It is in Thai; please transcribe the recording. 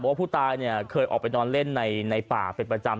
ว่าผู้ตายเนี่ยเคยออกไปนอนเล่นในป่าเป็นประจำ